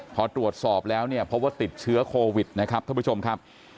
พอตรวจสอบแล้วเนี่ยพบว่าติดเชื้อโควิดนะครับท่านผู้ชมครับ